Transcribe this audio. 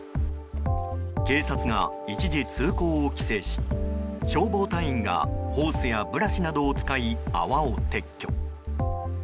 警察が一時、通行を規制し消防隊員がホースやブラシなどを使い泡を撤去。